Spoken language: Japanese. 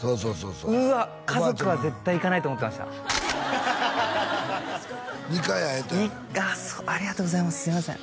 そうですねうわっ家族は絶対いかないと思ってました２回会えたよああありがとうございますすいません